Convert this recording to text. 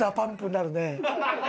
なるね。